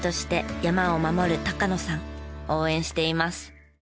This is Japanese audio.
応援しています！